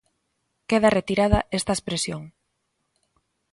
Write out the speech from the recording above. Queda retirada esta expresión.